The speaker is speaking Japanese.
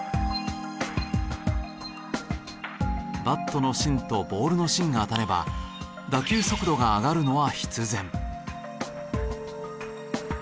バットの芯とボールの芯が当たれば打球速度が上がるのは必然。